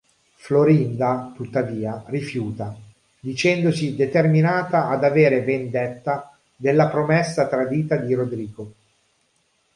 Florinda, tuttavia, rifiuta, dicendosi determinata ad avere vendetta della promessa tradita di Rodrigo.